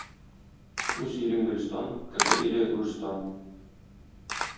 Үз илең гөлстан, кеше иле гүрстан.